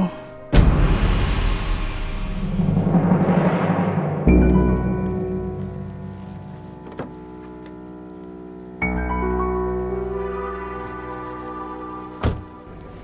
tidak ada apa apa